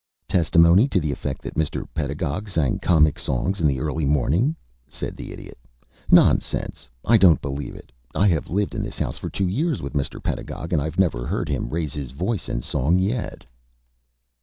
"Testimony to the effect that Mr. Pedagog sang comic songs in the early morning?" said the Idiot. "Nonsense! I don't believe it. I have lived in this house for two years with Mr. Pedagog, and I've never heard him raise his voice in song yet."